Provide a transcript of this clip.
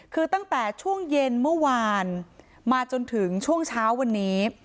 คือตั้งแต่ช่วงเย็นเมื่อวานมาจนถึงช่วงเช้าวันนี้